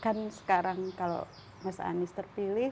kan sekarang kalau mas anies terpilih